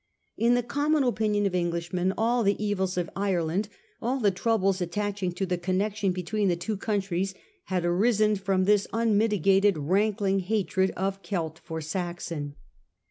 In tlie com mon opinion of Englishmen, all the evils of Ireland, all the troubles attaching to the connection between the two countries, had arisen from this unmitigated, rankling hatred of Celt for Saxon.